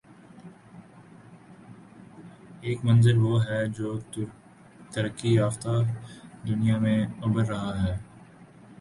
ایک منظروہ ہے جو ترقی یافتہ دنیا میں ابھر رہا ہے۔